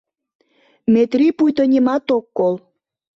Метрий пуйто нимат ок кол.